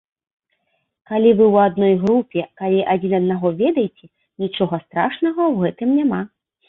Калі вы ў адной групе, калі адзін аднаго ведаеце, нічога страшнага ў гэтым няма.